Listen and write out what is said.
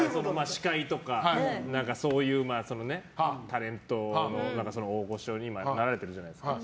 司会とか、そういうタレントの大御所に今なられてるじゃないですか。